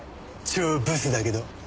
超ブスだけど。